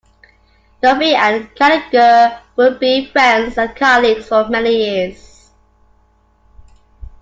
Novick and Kanigher would be friends and colleagues for many years.